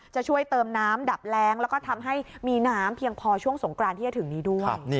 จะช่วยเติมน้ำดับแรงแล้วก็ทำให้มีน้ำเพียงพอช่วงสงกรานที่จะถึงนี้ด้วย